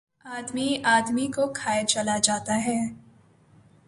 آدمی، آدمی کو کھائے چلا جاتا ہے